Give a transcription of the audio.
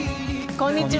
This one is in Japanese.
こんにちは。